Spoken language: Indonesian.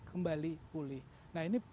kembali pulih nah ini